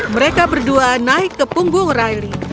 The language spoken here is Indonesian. mereka berdua naik ke punggung rily